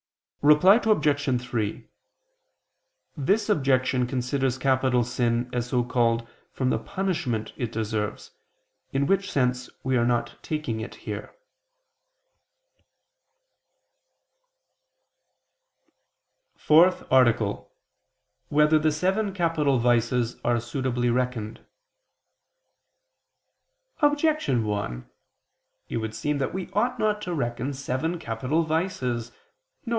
Reply Obj. 3: This objection considers capital sin as so called from the punishment it deserves, in which sense we are not taking it here. ________________________ FOURTH ARTICLE [I II, Q. 84, Art. 4] Whether the Seven Capital Vices Are Suitably Reckoned? Objection 1: It would seem that we ought not to reckon seven capital vices, viz.